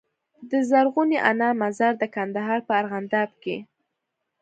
د زرغونې انا مزار د کندهار په ارغنداب کي